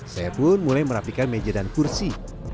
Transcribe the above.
saya pun mulai merapikan meja dan kursi